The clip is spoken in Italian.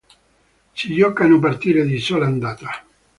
Si giocano partite di sola andata.